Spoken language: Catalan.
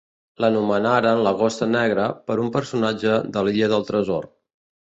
L'anomenaren "la gossa negra" per un personatge de l'"Illa del tresor".